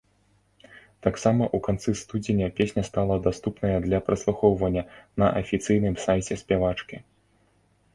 Таксама ў канцы студзеня песня стала даступная для праслухоўвання на афіцыйным сайце спявачкі.